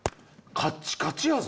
カッチカチやぞ！